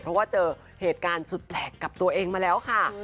เพราะว่าเจอเหตุการณ์สุดแปลกกับตัวเองมาแล้วค่ะ